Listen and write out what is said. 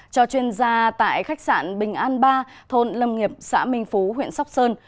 cho chuyên gia tại khách sạn bình an ba thôn lâm nghiệp xã minh phú huyện sóc sơn